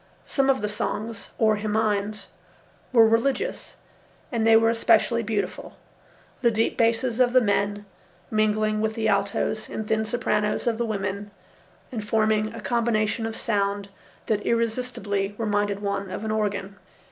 Some of the songs, or himines, were religious, and they were especially beautiful, the deep basses of the men mingling with the altos and thin sopranos of the women and forming a combination of sound that irresistibly reminded one of an organ.